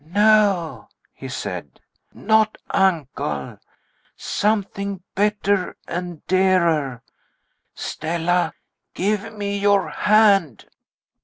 "No," he said. "Not uncle. Something better and dearer. Stella, give me your hand."